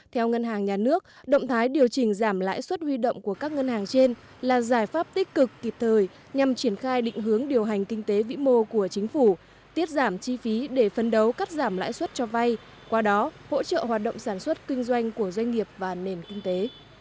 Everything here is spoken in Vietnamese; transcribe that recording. theo ngân hàng nhà nước động thái điều chỉnh giảm lãi suất huy động của các ngân hàng trên là giải pháp tích cực kịp thời nhằm triển khai định hướng điều hành kinh tế vĩ mô của chính phủ tiết giảm chi phí để phân đấu cắt giảm lãi suất cho vay qua đó hỗ trợ hoạt động sản xuất kinh doanh của doanh nghiệp và nền kinh tế